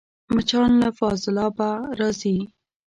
مچان له فاضلابه راځي